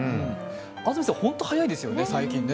安住さん、ホント早いですよね、最近ね。